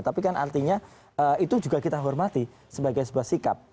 tapi kan artinya itu juga kita hormati sebagai sebuah sikap